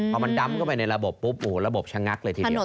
พอมันดำเข้าไปในระบบปุ๊บโอ้โหระบบชะงักเลยทีเดียว